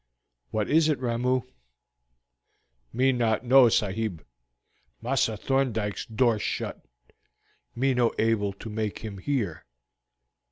"What is it, Ramoo?" "Me not know, sahib. Massa Thorndyke's door shut. Me no able to make him hear."